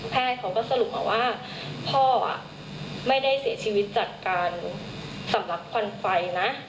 เขาก็สรุปมาว่าพ่อไม่ได้เสียชีวิตจากการสำลักควันไฟนะ